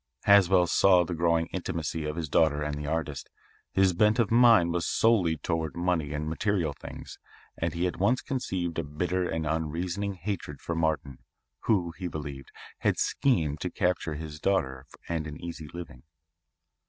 "Haswell saw the growing intimacy of his daughter and the artist. His bent of mind was solely toward money and material things, and he at once conceived a bitter and unreasoning hatred for Martin, who, he believed, had 'schemed' to capture his daughter and an easy living.